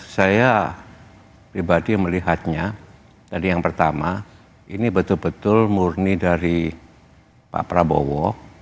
saya pribadi melihatnya tadi yang pertama ini betul betul murni dari pak prabowo